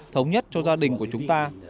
thống nhất cho gia đình của chúng ta